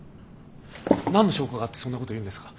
何の証拠があってそんなこと言うんですか？